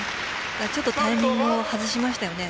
ちょっとタイミングを外しましたね。